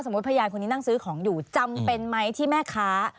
พยานคนนี้นั่งซื้อของอยู่จำเป็นไหมที่แม่ค้า